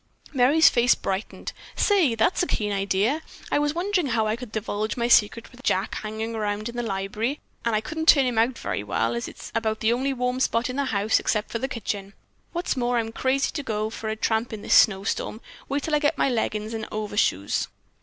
Merry's face brightened. "Say, that's a keen idea! I was wondering how I could divulge my secret with Jack hanging around in the library, and I couldn't turn him out very well, being as it's about the only warm spot in the house except the kitchen. What's more, I'm crazy to go for a tramp in this snow storm. Wait till I get on my leggins and overshoes."